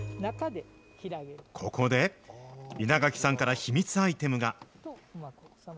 ここで、稲垣さんから秘密アイテムが。